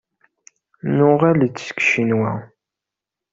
Nuɣal-d seg Ccinwa.